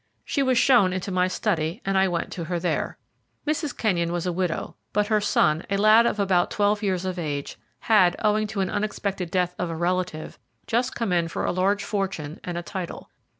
She was shown into my study, and I went to her there. Mrs. Kenyon was a widow, but her son, a lad of about twelve years of age, had, owing to the unexpected death of a relative, just come in for a large fortune and a title.